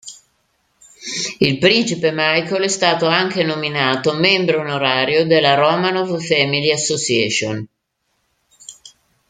Il principe Michael è stato anche nominato membro onorario della Romanov Family Association.